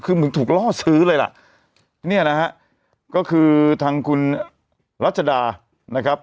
คือเหมือนถูกล่อซื้อเลยล่ะเนี่ยนะฮะก็คือทางคุณรัชดานะครับ